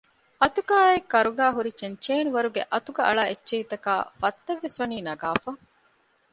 އަތުގައާއި ކަރުގައިހުރި ޗެންޗޭނުވަރުގެ އަތުގަ އަޅާ އެއްޗެހިތަކާ ފަށްތައްވެސް ވަނީ ނަގާފަ